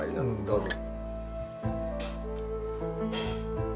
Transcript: どうぞ。